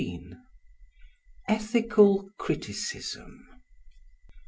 Ethical Criticism.